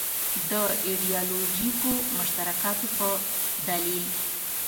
د ایدیالوژیکو مشترکاتو په دلیل.